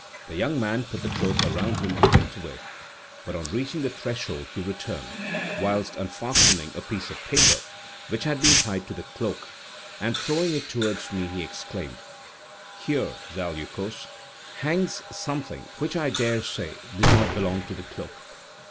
The young man put the cloak around him and went away, but on reaching the threshold he returned; whilst unfastening a piece of paper which had been tied to the cloak, and throwing it towards me, he exclaimed: "Here, Zaleukos, hangs something which I dare say does not belong to the cloak."